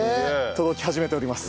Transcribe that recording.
届き始めております。